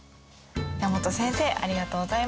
山本先生ありがとうございました。